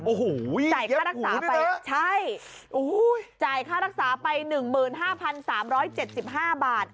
โอ้โหยิบหูนี่เนอะใช่จ่ายค่ารักษาไป๑๕๓๗๕บาท